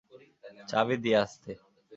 চাবি দিয়ে আসতে।